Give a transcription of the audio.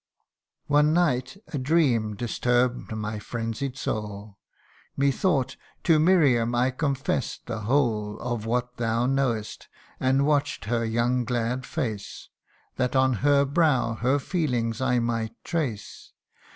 " One night a dream disturb 'd my frenzied soul. Methought, to Miriam I confess'd the whole Of what thou know'st, and watch 'd her young glad face, That on her brow her feelings I might trace.